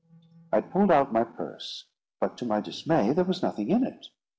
I pulled out my purse, but to my dismay there was nothing in it.